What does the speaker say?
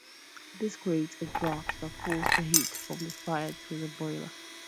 This creates a draft that pulls the heat from the fire through the boiler.